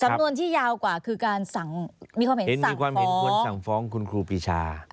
จำนวนที่ยาวกว่าคือการสั่งมีความเห็นสั่งมีความเห็นควรสั่งฟ้องคุณครูปีชา